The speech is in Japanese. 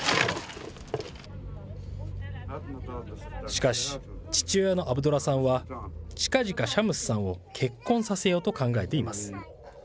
しかし、父親のアブドラさんは、ちかぢかシャムスさんを結婚させようと考えています。